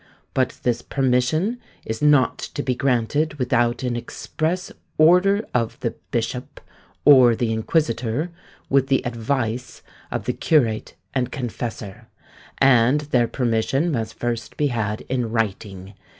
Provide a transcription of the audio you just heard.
But this permission is not to be granted without an express order of the bishop, or the inquisitor, with the advice of the curate and confessor; and their permission must first be had in writing.